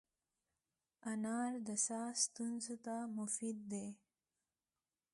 انار د ساه ستونزو ته مفید دی.